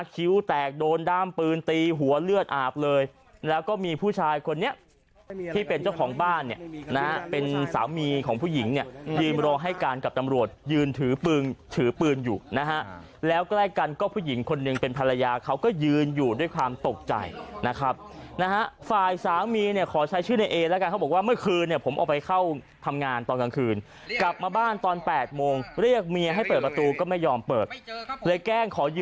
ชิ้วแตกโดนด้ามปืนตีหัวเลือดอาบเลยแล้วก็มีผู้ชายคนนี้ที่เป็นเจ้าของบ้านเนี่ยนะเป็นสามีของผู้หญิงเนี่ยยืมรอให้การกับตำรวจยืนถือปืนถือปืนอยู่นะฮะแล้วใกล้กันก็ผู้หญิงคนหนึ่งเป็นภรรยาเขาก็ยืนอยู่ด้วยความตกใจนะครับนะฮะฝ่ายสามีเนี่ยขอใช้ชื่อในเอแล้วกันเขาบอกว่าเมื่อคืนเนี่ยผมเอา